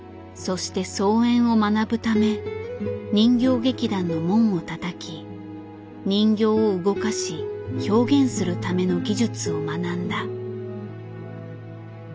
そして操演を学ぶため人形劇団の門をたたき人形を動かし表現するための技術を学んだ。